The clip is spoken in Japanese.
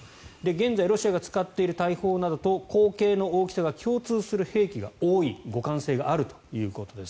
現在ロシアが使っている大砲などと口径の大きさが共通する兵器が多い互換性があるということです。